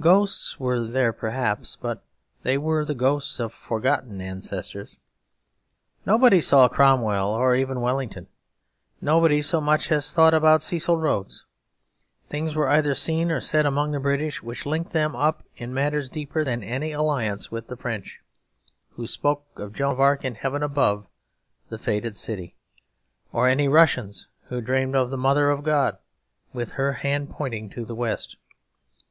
Ghosts were there perhaps, but they were the ghosts of forgotten ancestors. Nobody saw Cromwell or even Wellington; nobody so much as thought about Cecil Rhodes. Things were either seen or said among the British which linked them up, in matters deeper than any alliance, with the French, who spoke of Joan of Arc in heaven above the fated city; or the Russians who dreamed of the Mother of God with her hand pointing to the west.